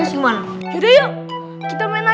nggak ada apa apa